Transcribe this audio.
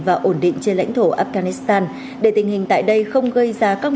và ổn định trên lãnh thổ afghanistan để tình hình tại đây không gây ra các mối đe dọa cho khu vực